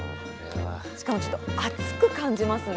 しかもちょっと暑く感じますね。